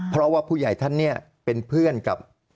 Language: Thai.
เพราะว่าผู้ใหญ่ท่านเนี่ยเป็นเพื่อนกับ